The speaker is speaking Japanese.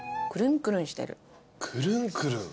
「くるんくるん」